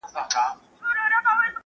يو گړى نه يم بېغمه له دامونو !.